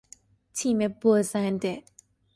تیم بازنده